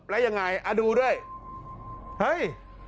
แล้วยังไงอ่ะดูด้วยเฮ้ย